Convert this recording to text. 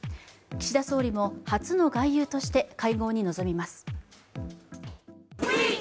岸田総理も初の外遊として会合に臨みます。